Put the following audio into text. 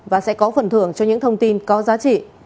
và sẽ có phần thưởng cho những thông tin có giá trị